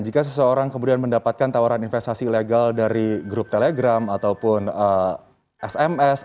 jika seseorang kemudian mendapatkan tawaran investasi ilegal dari grup telegram ataupun sms